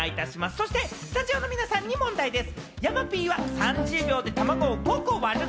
そしてスタジオの皆さんに問題です。